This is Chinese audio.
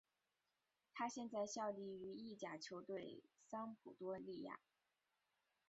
他现在效力于意甲球队桑普多利亚。